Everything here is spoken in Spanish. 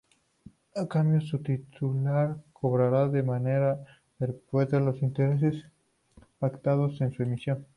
A cambio su titular cobrará de manera perpetua los intereses pactados en su emisión.